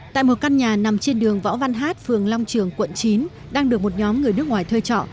tại một căn nhà nằm trên đường võ văn hát phường long trường quận chín đang được một nhóm người nước ngoài thuê trọ